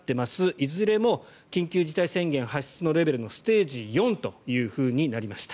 いずれも緊急事態宣言発出のレベルのステージ４となりました。